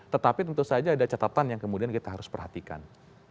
tetapi tentu saja ada catatan yang kemudian kita harus perhatikan